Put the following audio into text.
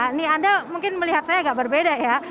ini anda mungkin melihat saya agak berbeda ya